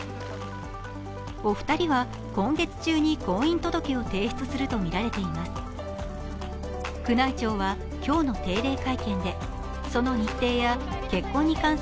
お二人は今月中に婚姻届を提出するとみられています。